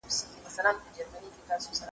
د چا لاره چي پر لور د جهالت سي `